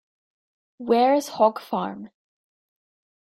Wares hog farm.